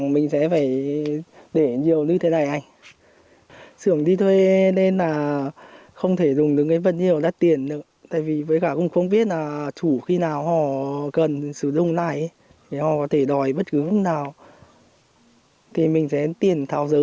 mình phải đầu tư tiền hàng hóa thứ rồi đầu tư hết rồi nên là chỉ đám đầu tư vào cái ý một ít thôi